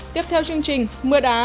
tiếp theo chương trình mưa đá